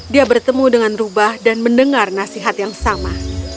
dia bertemu dengan rubah dan mendengar nasihat yang sama